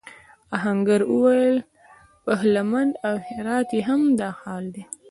آهنګر وویل پهلمند او هرات کې هم دا حال دی.